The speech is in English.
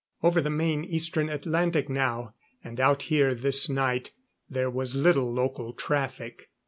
Over the main Eastern Atlantic now, and out here this night, there was little local traffic.